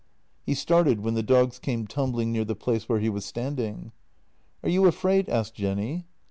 He started when the dogs came tumbling near the place where he was standing. "Are you afraid?" asked Jenny.